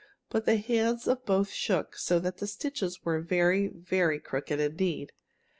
But the hands of both shook so that the stitches were very, very crooked indeed.